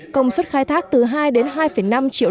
công suất khai thác từ hai đến hai năm triệu